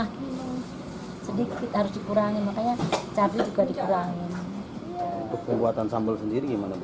tak hanya pedagang dan konsumen naiknya harga cabai berdampak ke pemilik warung makanan